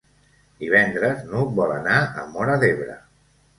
Divendres n'Hug vol anar a Móra d'Ebre.